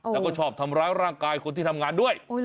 แล้วก็ชอบทำร้ายร่างกายคนที่ทำงานด้วย